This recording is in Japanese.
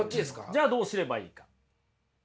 じゃあどうすればいいか。